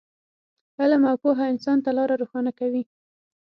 علم او پوهه انسان ته لاره روښانه کوي.